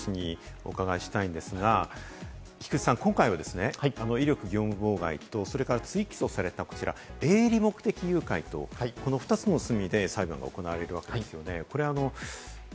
そのあたりを菊地幸夫弁護士にお伺いしたいと思うんですが、菊地さん、今回は威力業務妨害、そして追起訴されたこちら、営利目的誘拐、この２つの罪で裁判が行われるわけですね。